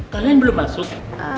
kalian belum masuk